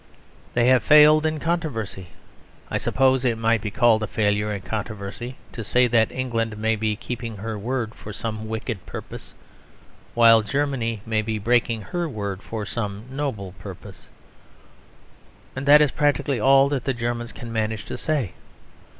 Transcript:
They have failed in controversy. I suppose it might be called a failure in controversy to say that England may be keeping her word for some wicked purpose; while Germany may be breaking her word for some noble purpose. And that is practically all that the Germans can manage to say.